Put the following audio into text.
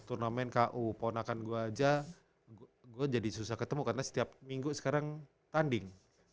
turnamen ku ponakan gue aja gue jadi susah ketemu karena setiap minggu sekarang tanding